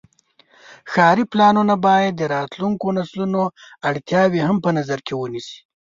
ښاري پلانونه باید د راتلونکو نسلونو اړتیاوې هم په نظر کې ونیسي.